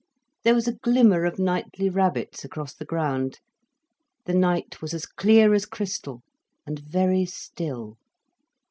There was a glimmer of nightly rabbits across the ground. The night was as clear as crystal, and very still.